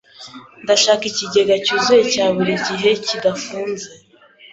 Ndashaka ikigega cyuzuye cya buri gihe kidafunze.